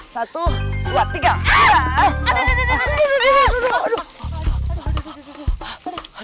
satu dua tiga